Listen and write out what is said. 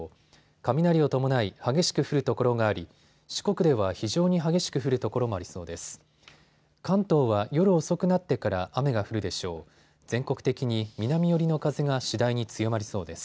雷を伴い、激しく降る所があり四国では非常に激しく降る所もありそうです。